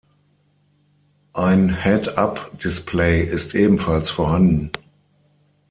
Ein Head-Up-Display ist ebenfalls vorhanden.